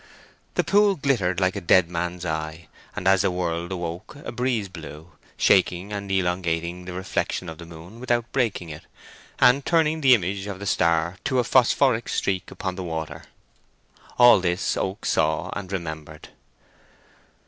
The pool glittered like a dead man's eye, and as the world awoke a breeze blew, shaking and elongating the reflection of the moon without breaking it, and turning the image of the star to a phosphoric streak upon the water. All this Oak saw and remembered.